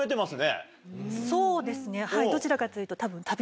そうですねどちらかというと多分。